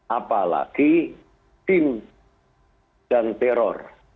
apalagi tim dan teror